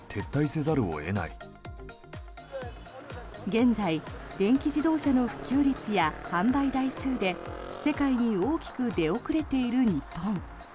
現在、電気自動車の普及率や販売台数で世界に大きく出遅れている日本。